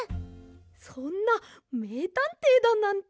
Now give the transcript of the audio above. そんなめいたんていだなんて。